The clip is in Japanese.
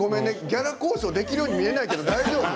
ギャラ交渉できないように見えるけど大丈夫？